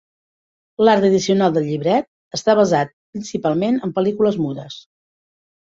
L'art addicional del llibret està basat principalment en pel·lícules mudes.